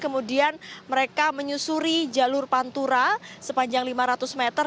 kemudian mereka menyusuri jalur pantura sepanjang lima ratus meter